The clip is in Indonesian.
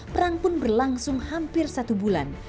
perang pun berlangsung hampir satu bulan